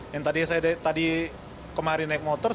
yang tadi saya tadi kemarin naik motor